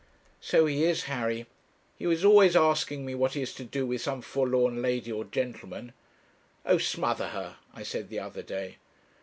'So he is, Harry; he is always asking me what he is to do with some forlorn lady or gentleman, 'Oh, smother her!' I said the other day.